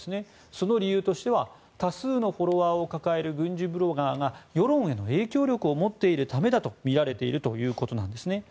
その理由としては多数のフォロワーを抱える軍事ブロガーが世論への影響力を持っているためだとみられているということなんですね。